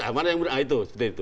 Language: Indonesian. nah mana yang benar nah itu